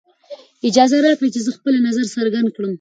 اجازه راکړئ چې زه خپله نظر څرګند کړم.